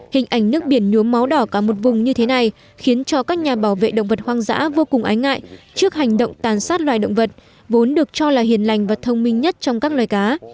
hình ảnh nước biển nhuốm máu đỏ cả một vùng như thế này khiến cho các nhà bảo vệ động vật hoang dã vô cùng ái ngại trước hành động tàn sát loài động vật vốn được cho là hiền lành và thông minh nhất trong các loài cá